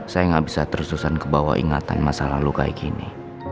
saya gak bisa tersusan kebawa ingatan masa lalu kayak gini